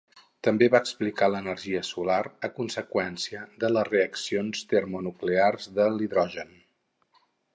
També va explicar l'energia solar a conseqüència de les reaccions termonuclears de l'hidrogen.